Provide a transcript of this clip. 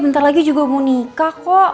bentar lagi juga mau nikah kok